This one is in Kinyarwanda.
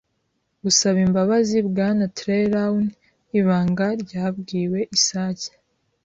gusaba imbabazi, Bwana Trelawney ibanga ryabwiwe isake. ”